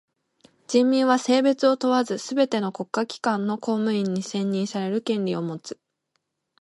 人民は性別を問わずすべての国家機関の公務員に選任される権利をもつ。